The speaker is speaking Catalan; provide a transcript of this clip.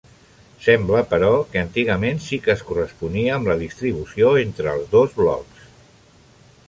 Sembla, però, que antigament sí que es corresponia amb la distribució entre els dos blocs.